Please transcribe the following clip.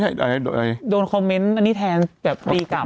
โดนคอมเมนต์อันนี้แทนแบบตีกลับ